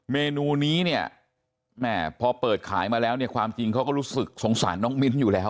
เมนูนี้เนี่ยแม่พอเปิดขายมาแล้วเนี่ยความจริงเขาก็รู้สึกสงสารน้องมิ้นอยู่แล้ว